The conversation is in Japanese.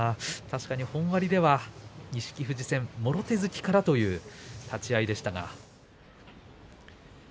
確かに本割では錦富士戦もろ手突きからという立ち合いでした。